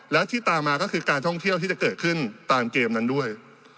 และที่ตามมาก็คือการท่องเที่ยวที่จะเกิดขึ้นตามเกมนั้นด้วย